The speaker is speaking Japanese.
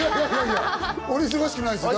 俺、忙しくないです。